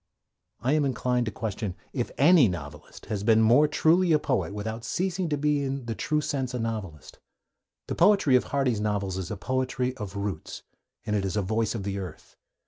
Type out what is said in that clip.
I am inclined to question if any novelist has been more truly a poet without ceasing to be in the true sense a novelist. The poetry of Hardy's novels is a poetry of roots, and it is a voice of the earth.